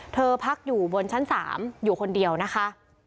พักอยู่บนชั้น๓อยู่คนเดียวนะคะ